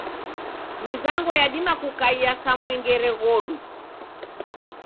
Mizango yadima kukaiya sa mwengere ghodu.